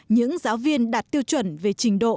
những giáo viên đạt tiêu chuẩn về trình độ